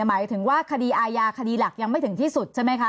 หมายถึงว่าคดีอาญาคดีหลักยังไม่ถึงที่สุดใช่ไหมคะ